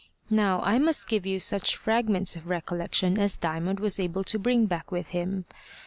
Now I must give you such fragments of recollection as Diamond was able to bring back with him.